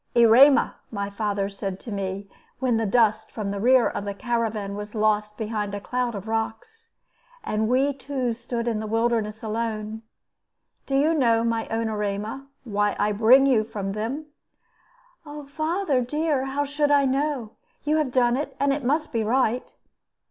"Erema," my father said to me, when the dust from the rear of the caravan was lost behind a cloud of rocks, and we two stood in the wilderness alone "do you know, my own Erema, why I bring you from them?" "Father dear, how should I know? You have done it, and it must be right."